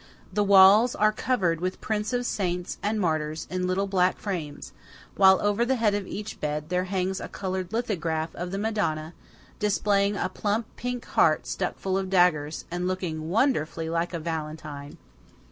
The walls are covered with prints of saints and martyrs in little black frames; while over the head of each bed there hangs a coloured lithograph of the Madonna displaying a plump pink heart stuck full of daggers, and looking wonderfully like a Valentine.